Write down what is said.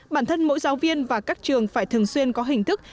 bản thân mỗi giáo viên và các trường phải thường xuyên có hình thức